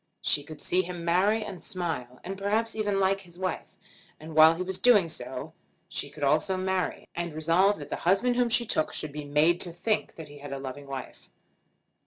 She could see him marry, and smile, and perhaps even like his wife. And while he was doing so, she could also marry, and resolve that the husband whom she took should be made to think that he had a loving wife.